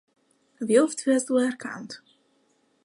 Wie oft wirst du erkannt?